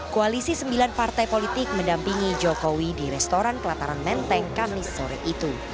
koalisi sembilan partai politik mendampingi jokowi di restoran kelataran menteng kamis sore itu